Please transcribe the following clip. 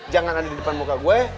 jangan ada di depan muka gue